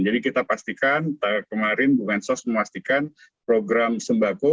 jadi kita pastikan kemarin bansos memastikan program sembako